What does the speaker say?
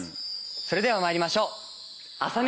それでは参りましょう。